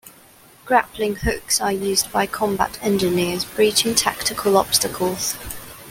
Grappling hooks are used by combat engineers breaching tactical obstacles.